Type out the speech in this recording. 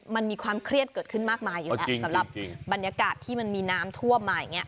มันมีความเครียดเกิดขึ้นมากมายอยู่แล้วสำหรับบรรยากาศที่มันมีน้ำท่วมมาอย่างนี้